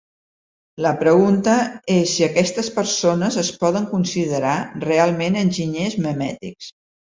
La pregunta és si aquestes persones es poden considerar realment enginyers memètics.